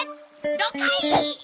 ６回！